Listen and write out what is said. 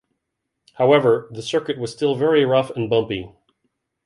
However, the circuit was still very rough and bumpy.